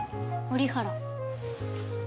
折原。